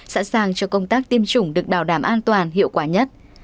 sẵn sàng cho công tác tiêm chủng được bảo đảm an toàn hiệu quả nhất